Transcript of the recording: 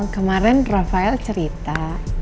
kemarin rafael cerita